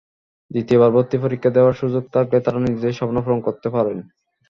দ্বিতীয়বার ভর্তি পরীক্ষা দেওয়ার সুযোগ থাকলে তারা নিজেদের স্বপ্ন পূরণ করতে পারেন।